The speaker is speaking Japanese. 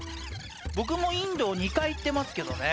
僕もインド２回行ってますけどね